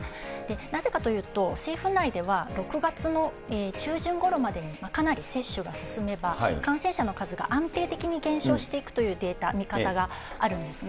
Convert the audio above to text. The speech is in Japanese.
なぜかというと、政府内では６月の中旬ごろまでにかなり接種が進めば、感染者の数が安定的に減少していくというデータ、見方があるんですね。